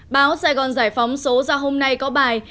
báo sài gòn giải phóng số ra hôm nay có bài